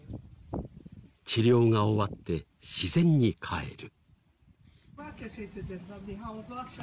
治療が終わって自然に帰る。